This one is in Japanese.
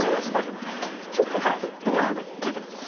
今出てます。